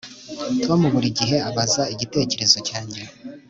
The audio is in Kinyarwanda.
Tom buri gihe abaza igitekerezo cyanjye